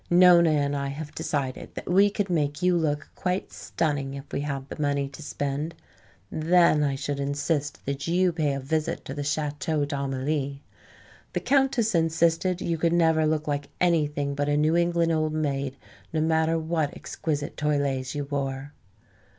Nona and I have decided that we could make you look quite stunning if we had the money to spend. Then I should insist that you pay a visit to the Chateau d'Amelie. The Countess insisted you never could look like anything but a New England old maid, no matter what exquisite toilets you wore."